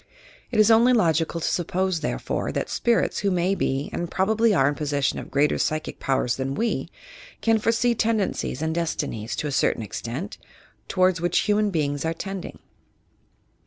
It is only logical to suppose, therefore, that spirits who may be and probably are in possession of greater psychic powers than we, can foresee tendencies and destinies, to a cer tain extent, towards which human beings are tending.